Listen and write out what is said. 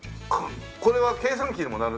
これは計算機にもなる？